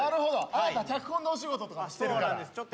あなた脚本のお仕事とかしてるから。